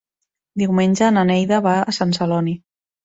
Diumenge na Neida va a Sant Celoni.